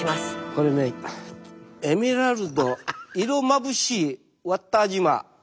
これね「エメラルド色まぶしいわった島」。